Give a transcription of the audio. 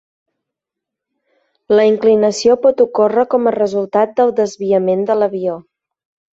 La inclinació pot ocórrer com a resultat del desviament de l'avió.